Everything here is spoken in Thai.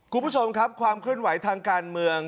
คุณผู้ชมครับความเคลื่อนไหวทางการเมือง